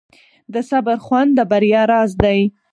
د صبر خوند د بریا راز دی.